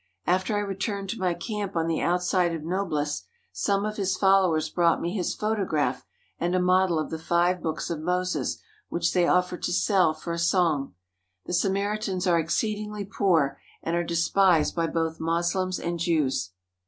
After 1 returned to my camp on the outside of Nablus some of his followers brought me his photograph and a model of the five books of Moses which they offered to sell for a song. The Samaritans are exceedingly poor and are de spised by both Moslems and Jews.